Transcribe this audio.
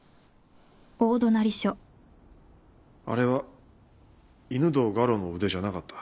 あれは犬堂我路の腕じゃなかった。